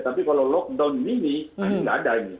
tapi kalau lockdown ini ini nggak ada